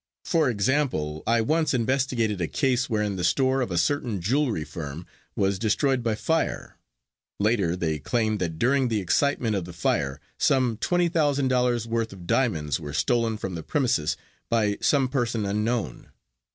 For example, I once investigated a case wherein the store of a certain jewelry firm was destroyed by fire. Later they claimed that during the excitement of the fire some $20,000.00 worth of diamonds were stolen from the premises by some person unknown.